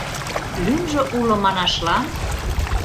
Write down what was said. Лӱмжӧ уло манашлан?